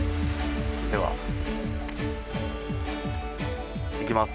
では、行きます。